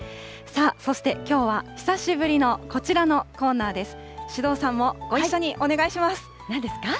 さあ、そして、きょうは久しぶりのこちらのコーナーです。